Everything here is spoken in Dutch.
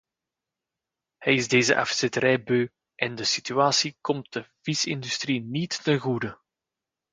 Hij is deze afzetterij beu en de situatie komt de visindustrie niet ten goede.